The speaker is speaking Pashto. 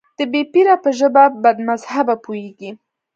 د بې پيره په ژبه بدمذهبه پوهېږي.